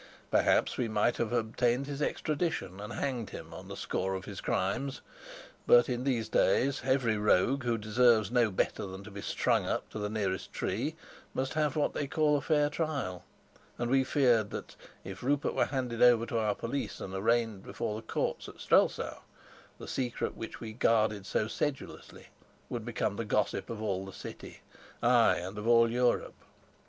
Perhaps we might have obtained his extradition and hanged him on the score of his crimes; but in these days every rogue who deserves no better than to be strung up to the nearest tree must have what they call a fair trial; and we feared that, if Rupert were handed over to our police and arraigned before the courts at Strelsau, the secret which we guarded so sedulously would become the gossip of all the city, ay, and of all Europe.